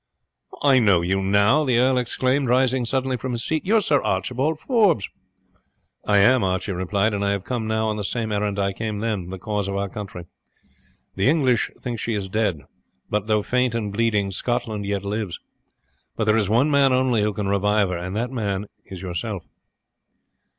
"I know you now!" the earl exclaimed, rising suddenly from his seat. "You are Sir Archibald Forbes?" "I am," Archie replied, "and I have come now on the same errand I came then the cause of our country. The English think she is dead, but, though faint and bleeding, Scotland yet lives; but there is one man only who can revive her, and that man is yourself."